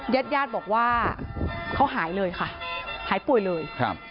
แยธยาติบอกว่าเขาหายเลยค่ะหายป่วยเลย